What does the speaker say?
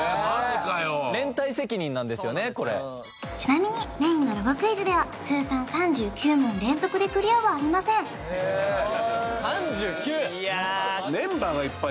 連帯責任なんですよねこれちなみにメインのロゴクイズでは通算３９問連続でクリアはありません誰がきた？